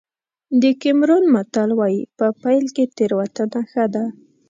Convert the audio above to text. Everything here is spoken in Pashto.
د کېمرون متل وایي په پيل کې تېروتنه ښه ده.